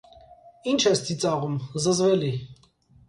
- Ի՞նչ ես ծիծաղում, զզվելի: